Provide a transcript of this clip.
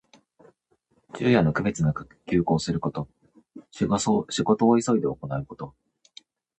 昼夜の区別なく急行すること。仕事を急いで行うこと。